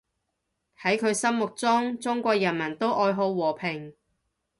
喺佢心目中，中國人民都愛好和平